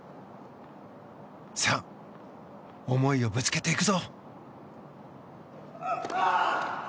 さあ、思いをぶつけていくぞ！